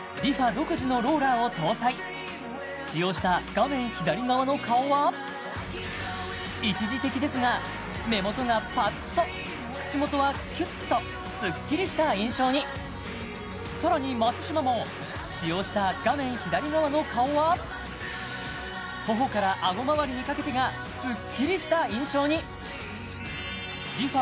独自のローラーを搭載使用した画面左側の顔は一時的ですが目元がパッと口元はキュッとスッキリした印象にさらに松嶋も使用した画面左側の顔は頬からあごまわりにかけてがスッキリした印象にＲｅＦａ